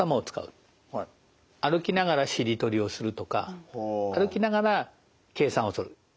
歩きながらしりとりをするとか歩きながら計算をする。